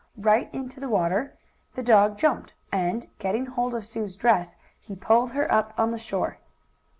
Right into the water the dog jumped, and, getting hold of Sue's dress, he pulled her up on the shore.